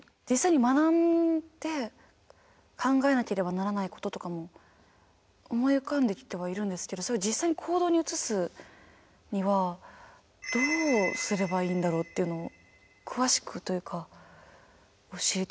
実際に学んで考えなければならないこととかも思い浮かんできてはいるんですけど実際に行動に移すにはどうすればいいんだろうっていうのを詳しくというか知りたいなと思います。